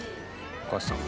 お母さん。